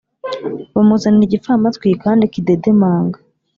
Bamuzanira igipfamatwi kandi kidedemanga